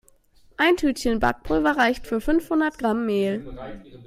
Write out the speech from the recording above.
Ein Tütchen Backpulver reicht für fünfhundert Gramm Mehl.